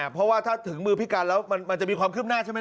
เพราะว่าถ้าถึงมือพิการแล้วมันจะมีความคืบหน้าใช่ไหม